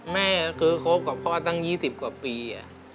แม่คือเคยกินภาพยี่สิบเป็นปี